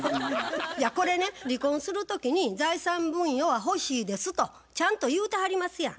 これね離婚する時に「財産分与は欲しいです」とちゃんと言うてはりますやん。